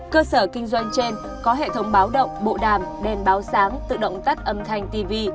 cơ sở kinh doanh trên có hệ thống báo động bộ đàm đèn báo sáng tự động tắt âm thanh tv